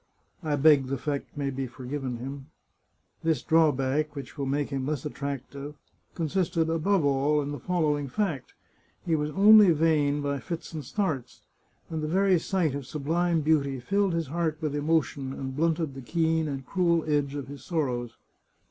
I beg the fact may be forgiven him. This drawback, which will make him less attractive, consisted, above all, in the following fact : he was only vain by fits and starts, and the very sight of sublime beauty filled his heart with emotion, and blunted the keen and cruel edge of his sorrows.